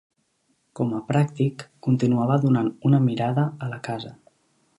Com a pràctic, continuava donant una mirada a la casa.